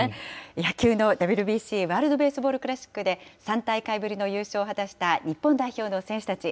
野球のＷＢＣ・ワールドベースボールクラシックで、３大会ぶりの優勝を果たした日本代表の選手たち。